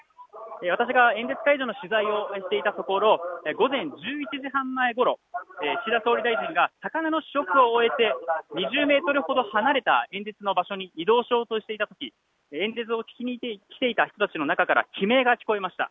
私が演説会場の取材をしていたところ、午前１１時半前ごろ、岸田総理大臣が魚の試食を終えて２０メートルほど離れた演説の場所に移動しようとしていたとき演説を聞きに来ていた人たちの中から悲鳴が聞こえました。